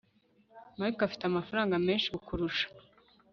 mark afite amafaranga menshi kukurusha